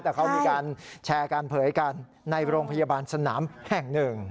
แต่เขามีการแชร์การเผยกันในโรงพยาบาลสนามแห่งหนึ่ง